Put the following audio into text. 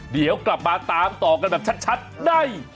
เดี๋ยวกลับมาตามต่อกันแบบชัดได้